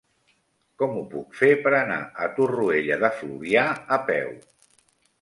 Com ho puc fer per anar a Torroella de Fluvià a peu?